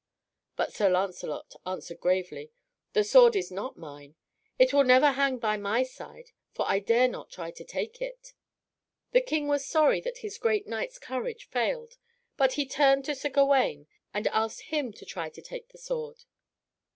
But Sir Lancelot answered gravely, "The sword is not mine. It will never hang by my side, for I dare not try to take it." The King was sorry that his great knight's courage failed, but he turned to Sir Gawaine and asked him to try to take the sword.